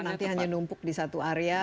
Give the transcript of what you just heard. nanti hanya numpuk di satu area